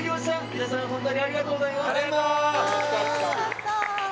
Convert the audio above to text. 皆さんホントにありがとうございます！